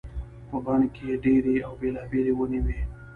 په بڼ کې ډېرې او بېلابېلې ونې وي.